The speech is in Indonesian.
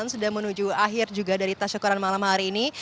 sudah menuju akhir juga dari tasyukuran malam hari ini